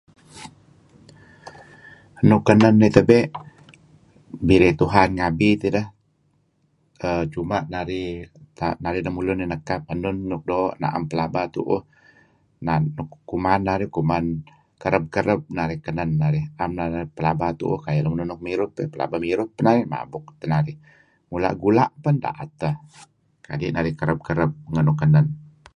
Nuk kanen nih tabe' birey Tuhan ngabi tideh cuma' narih lemulun dih nekap enun nuk doo' naem pelaba tuuh. Kuman narih kuman kereb-kereb naih nuk kanen narih. Am pelaba tuuh. Kayu lun nuk mirup pelaba mirup pun mabuk teh narih. Mula gula' pun naem doo' kadi' narih kereb-kereb ngen nuk kanen.